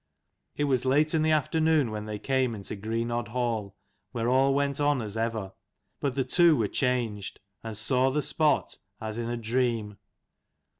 It was late in the afternoon when they came into Greenodd hall, where all went on as ever : but the two were changed, and saw the spot as in a dream.